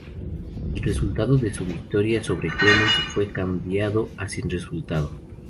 El resultado de su victoria sobre Clements fue cambiado a "sin resultado".